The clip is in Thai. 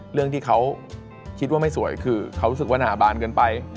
เรื่องที่เขาคิดว่าไม่สวยคือเขารู้สึกว่าหนาบานเกินไป